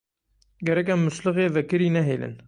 Gerek em muslixê vekirî nehêlin.